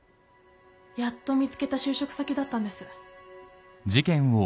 やっと見つけた就職先だったんです。